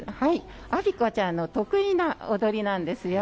あびかちゃんの得意の踊りなんですよ。